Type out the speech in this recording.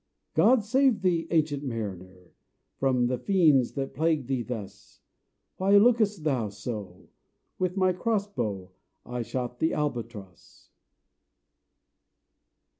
"God save thee, ancient Mariner, From the fiends, that plague thee thus! Why look'st thou so?" "With my cross bow I shot the Albatross."